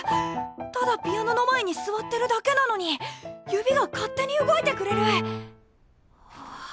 ただピアノの前に座ってるだけなのに指が勝手に動いてくれる！はあ。